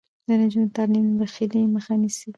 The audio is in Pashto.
د نجونو تعلیم د بخیلۍ مخه نیسي.